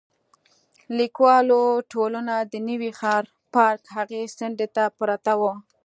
لیکوالو ټولنه د نوي ښار پارک هغې څنډې ته پرته وه.